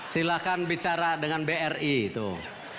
silahkan bicara dengan bri tuh